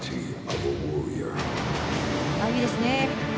いいですね。